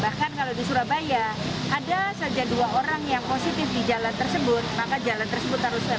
bahkan kalau di surabaya ada saja dua orang yang positif di jalan tersebut maka jalan tersebut harus selesai